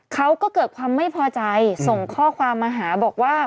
เขาก็เกิดความไม่พอใจส่งข้อความมาหาบอกว่า